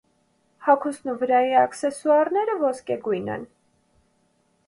Հագուստն ու վրայի աքսեսուարները ոսկեգույն են։